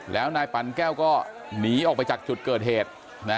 แล้วนายปันแก้วก็หนีออกไปจากจุดเกิดเหตุ